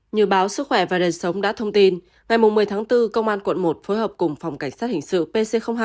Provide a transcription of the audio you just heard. như báo sức khỏe và đời sống đã thông tin ngày một mươi tháng bốn công an quận một phối hợp cùng phòng cảnh sát hình sự pc hai